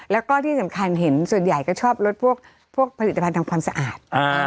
แล้วก็ที่สำคัญเห็นส่วนใหญ่ก็ชอบลดพวกผลิตภัณฑ์ทำความสะอาด